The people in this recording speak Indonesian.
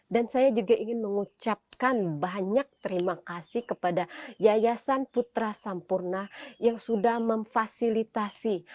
dan saya juga ingin mengucapkan banyak terima kasih kepada yayasan putra sampurna yang sudah memfasilitasi